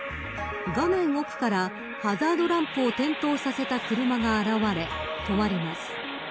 画面奥からハザードランプを点灯させた車が現れ止まります。